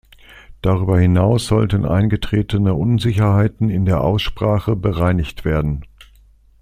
Darüber hinaus sollten eingetretene Unsicherheiten in der Aussprache bereinigt werden.